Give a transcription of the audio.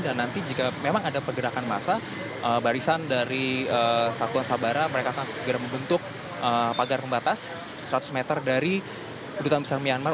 dan nanti jika memang ada pergerakan masa barisan dari satuan sabara mereka akan segera membentuk pagar pembatas seratus meter dari kedudukan besar myanmar